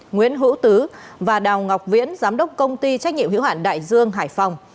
nguyễn hữu tứ và đào ngọc viễn giám đốc công ty trách nhiệm hữu hạn đại dương hải phòng